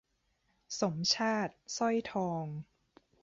สมชาติ สร้อยทอง